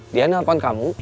dia nelpon kamu